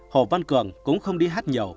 hồ văn cường cũng không đi hát nhiều